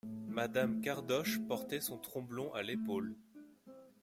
Madame Cardoche portait son tromblon à l'épaule.